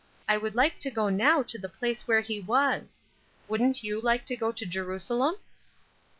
I would like to go now to the place where he was. Wouldn't you like to go to Jerusalem?"